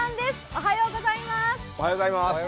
おはようございます。